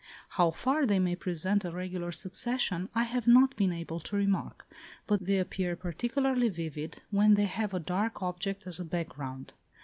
How far they may present a regular succession I have not been able to remark; but they appear particularly vivid when they have a dark object as a background.